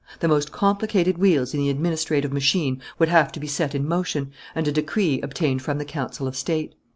The most complicated wheels in the administrative machine would have to be set in motion, and a decree obtained from the Council of State.